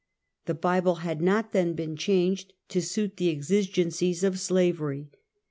The Bible had not then been changed to suit the exig encies of slavery.